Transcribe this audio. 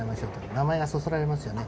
名前がそそられますよね。